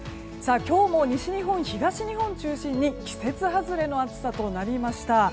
今日も西日本、東日本を中心に季節外れの暑さとなりました。